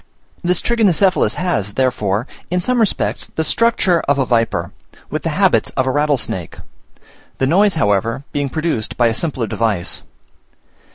This Trigonocephalus has, therefore, in some respects the structure of a viper, with the habits of a rattlesnake: the noise, however, being produced by a simpler device.